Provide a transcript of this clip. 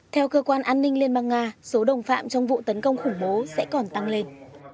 theo cơ quan an ninh liên bang nga số đồng phạm trong vụ tấn công khủng bố sẽ còn tăng lên